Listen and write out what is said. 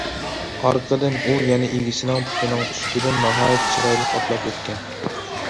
ئارقىدىن، ئۇ يەنە ئىگىسىنىڭ پۇتىنىڭ ئۈستىدىن ناھايىتى چىرايلىق ئاتلاپ ئۆتكەن.